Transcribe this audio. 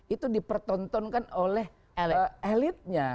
itu dipertontonkan oleh elitnya